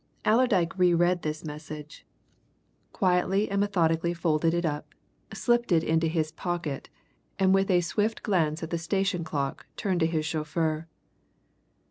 Allerdyke re read this message, quietly and methodically folded it up, slipped it into his pocket, and with a swift glance at the station clock turned to his chauffeur.